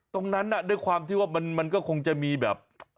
ตรงนั้นอ่ะด้วยความที่ว่ามันก็คงจะมีแบบ